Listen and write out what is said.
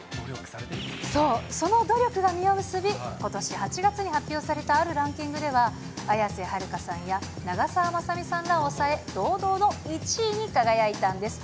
その努力が実を結び、ことし８月に発表されたあるランキングでは、綾瀬はるかさんや長澤まさみさんらを押さえ、堂々の１位に輝いたんです。